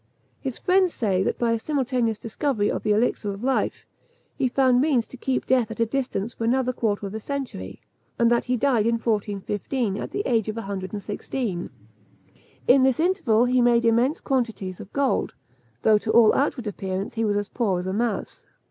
His friends say that by a simultaneous discovery of the elixir of life, he found means to keep death at a distance for another quarter of a century; and that he died in 1415, at the age of 116. In this interval he made immense quantities of gold, though to all outward appearance he was as poor as a mouse.